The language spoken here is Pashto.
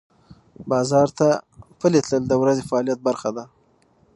بازار ته پلي تلل د ورځې فعالیت برخه ده.